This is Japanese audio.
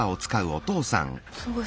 すごい！